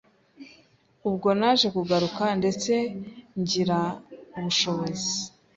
Ubwo naje kugaruka ndetse ngira ubushobozi